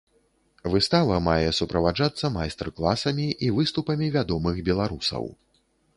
Выстава мае суправаджацца майстар-класамі і выступамі вядомых беларусаў.